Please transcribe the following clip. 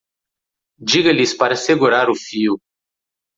Diga-lhes para segurar o fio.